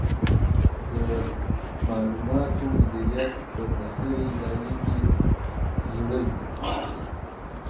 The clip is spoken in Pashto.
د معلوماتو مدیریت به د هرې ادارې زړه وي.